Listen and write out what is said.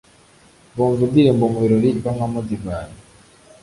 Bumva indirimbo mu birori banywamo divayi.